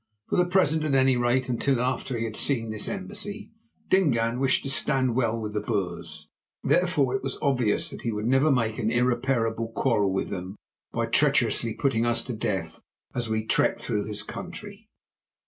For the present, at any rate until after he had seen this embassy, Dingaan wished to stand well with the Boers. Therefore it was obvious that he would never make an irreparable quarrel with them by treacherously putting us to death as we trekked through his country.